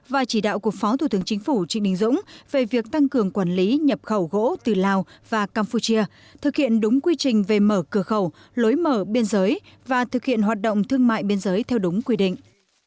và chỉ đạo của phó thủ tướng chính phủ trịnh đình dũng về việc tăng cường quản lý nhập khẩu gỗ từ lào và campuchia thực hiện đúng quy trình về mở cửa khẩu lối mở biên giới và thực hiện hoạt động thương mại biên giới theo đúng quy định